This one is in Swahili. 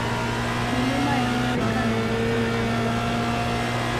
Milima ya Mbarika na Milima ya Mbeya